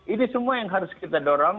ini semua yang harus kita dorong